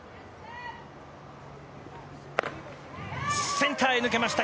センターへ抜けました。